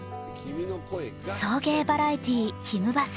送迎バラエティー「ひむバス！」。